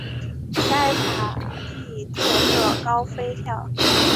该塔亦特设高飞跳。